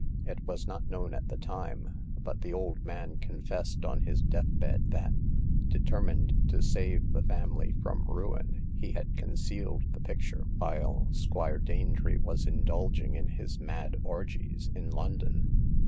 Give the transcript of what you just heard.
" It was not known at the time, but the old man confessed on his death bed that, determined to save the family from ruin, he had concealed the picture while Squire Danetree was indulging in his mad orgies in London.